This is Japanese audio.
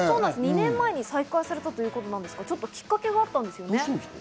２年前に再開されたということですが、きっかけがあったんですね。